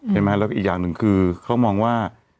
แล้วก็อีกอย่างหนึ่งคือเขามองว่า